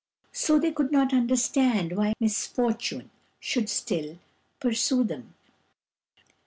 So they could not understand why misfortune should still pursue them.